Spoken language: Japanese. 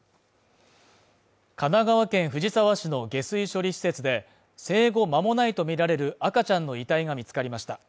神奈川県藤沢市の下水処理施設で生後間もないとみられる赤ちゃんの遺体が見つかりました。